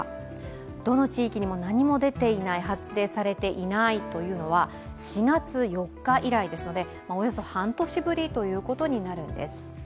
どの地域にも何も出ていない、発令されていないというのは４月４日以来ですので、およそ半年ぶりということになるんです。